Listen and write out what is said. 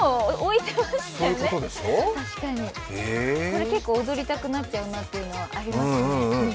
確かにこれ結構踊りたくなっちゃうなというのはありますよね。